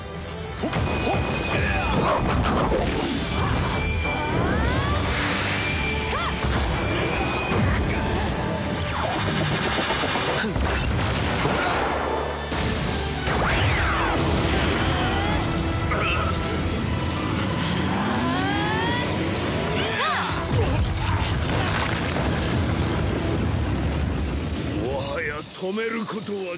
もはや止めることはできない。